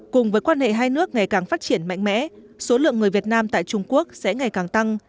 cùng với quan hệ hai nước ngày càng phát triển mạnh mẽ số lượng người việt nam tại trung quốc sẽ ngày càng tăng